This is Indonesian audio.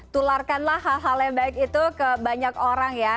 tularkanlah hal hal yang baik itu ke banyak orang ya